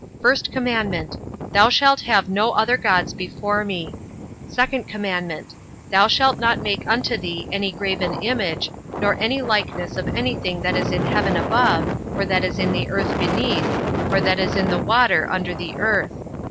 1st commandment: Thou shalt have no other gods before me. 2nd commandment: Thou shalt not make unto thee any graven image, or any likeness of any thing that is in heaven above, or that is in the earth beneath, or that is in the water under the earth.